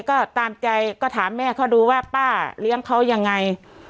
ก็ตามใจก็ถามแม่เขาดูว่าป้าเลี้ยงเขายังไง